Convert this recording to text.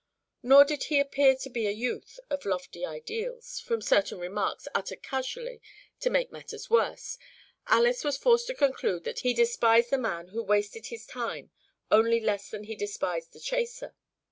Nor did he appear to be a youth of lofty ideals; from certain remarks, uttered casually, to make matters worse, Alys was forced to conclude that he despised the man who "wasted his time" only less than he despised the "chaser."